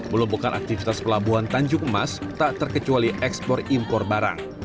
melumpuhkan aktivitas pelabuhan tanjung emas tak terkecuali ekspor impor barang